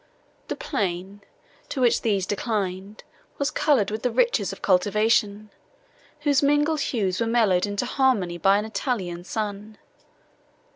The plain, to which these declined, was coloured with the riches of cultivation, whose mingled hues were mellowed into harmony by an Italian sun.